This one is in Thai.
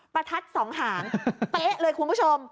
ประทัดสองหางเป๊ะเลยคุณผู้ชม